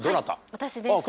私です。